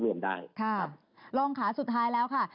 ค่ะลองขาสุดท้ายแล้วค่ะ